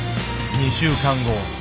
２週間後。